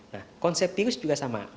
nah konsep tius juga sama